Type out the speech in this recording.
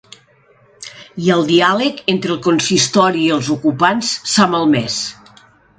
I el diàleg entre el consistori i els ocupants s’ha malmès.